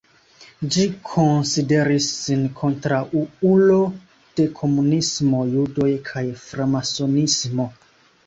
Ĝi konsideris sin kontraŭulo de komunismo, judoj kaj framasonismo.